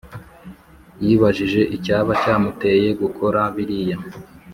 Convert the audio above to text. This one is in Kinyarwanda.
Yibajije icyaba cyamuteye gukora biriya